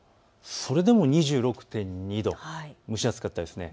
それでも２６．２度、蒸し暑かったですね。